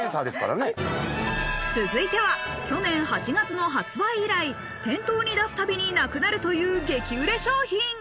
続いては、去年８月の発売以来、店頭に出すたびになくなるという激売れ商品。